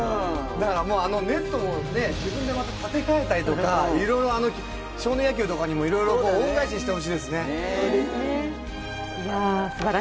あのネットも自分で建て替えたりとか少年野球とかにもいろいろ恩返ししてほしいですね。